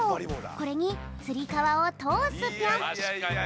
これにつりかわをとおすぴょん。